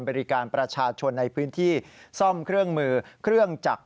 บริการประชาชนในพื้นที่ซ่อมเครื่องมือเครื่องจักร